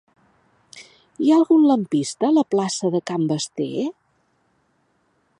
Hi ha algun lampista a la plaça de Can Basté?